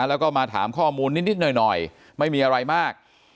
แล้วก็มาถามข้อมูลนิดหน่อยไม่มีอะไรมาก